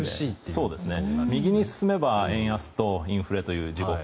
右に進めば円安とインフレという地獄。